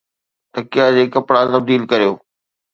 تکيا جي ڪپڙا تبديل ڪريو